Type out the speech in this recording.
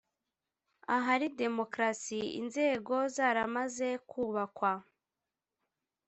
ahari démocratie, inzego zaramaze kubakwa,